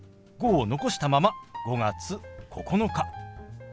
「５」を残したまま「５月９日」。